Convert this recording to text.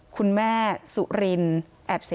คุณแม่สุรินแอบเสมอ